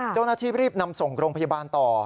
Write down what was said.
เจ้าหน้าที่รีบนำส่งโรงพยาบาลต่อ